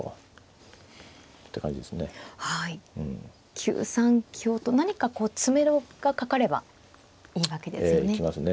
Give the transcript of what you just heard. ９三香と何かこう詰めろがかかればいいわけですよね。